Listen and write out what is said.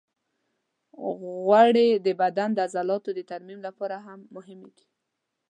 غوړې د بدن د عضلاتو د ترمیم لپاره هم مهمې دي.